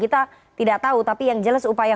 kita tidak tahu tapi yang jelas upaya